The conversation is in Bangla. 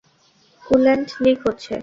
কুল্যান্ট লিক হচ্ছে।